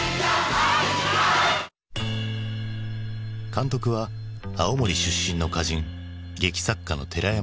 監督は青森出身の歌人劇作家の寺山修司。